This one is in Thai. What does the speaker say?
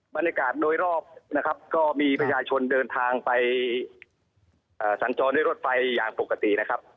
บรรยากาศโดยรอบนะครับก็มีประชาชนเดินทางไปสัญจรด้วยรถไฟอย่างปกตินะครับ